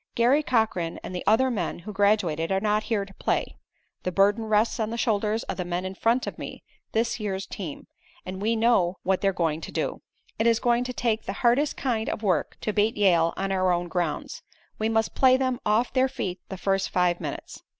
Garry Cochran and the other men who graduated are not here to play. The burden rests on the shoulders of the men in front of me, this year's team, and we know what they're going to do. "It is going to take the hardest kind of work to beat Yale on our own grounds. We must play them off their feet the first five minutes.